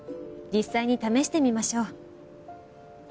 実際に試してみましょう。